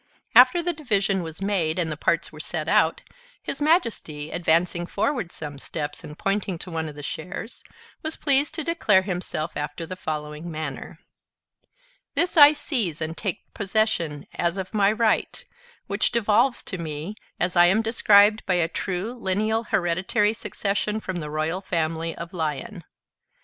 After the division was made, and the parts were set out, his Majesty, advancing forward some steps and pointing to one of the shares, was pleased to declare himself after the following manner: "This I seize and take possession of as my right, which devolves to me, as I am descended by a true, lineal, hereditary succession from the royal family of Lion.